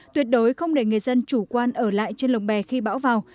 tuyệt đối không để người dân chủ quan ở lại trên lồng bè khi bão vào